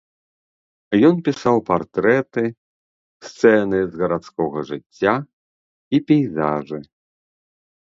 Ён пісаў партрэты, сцэны з гарадскога жыцця і пейзажы.